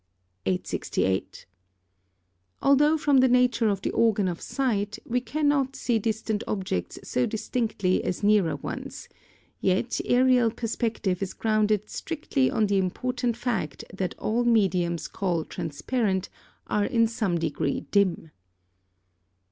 868. Although from the nature of the organ of sight, we cannot see distant objects so distinctly as nearer ones, yet aërial perspective is grounded strictly on the important fact that all mediums called transparent are in some degree dim.